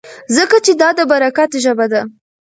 ځکه چې دا د برکت ژبه ده.